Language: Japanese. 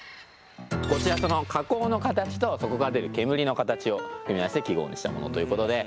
こちらその火口の形とそこから出る煙の形を組み合わせて記号にしたものということで。